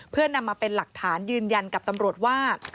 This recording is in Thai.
เพื่อนำมาเป็นหลักฐานยืนยันกับตำรวจว่า